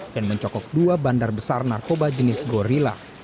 dan mencokok dua bandar besar narkoba jenis gorilla